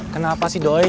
kenapa sih doi